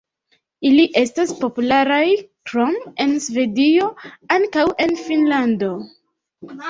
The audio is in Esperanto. Ili estas popularaj krom en Svedio ankaŭ en Finnlando.